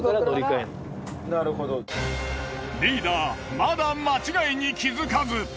リーダーまだ間違いに気付かず。